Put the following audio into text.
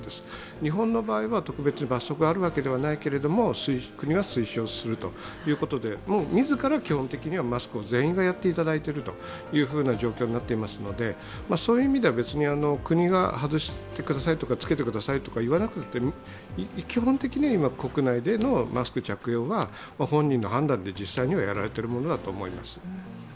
日本の場合は特別、罰則があるわけではないけれども国が推奨するということで自ら基本的にはマスクを全員がやっていただいている状況になっていますのでそういう意味では別に国が外してくださいとか、着けてくださいと言わなくても、基本的には国内でのマスク着用は本人の判断で実際にはやられているんだと思います。